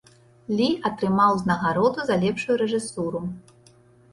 Лі атрымаў узнагароду за лепшую рэжысуру.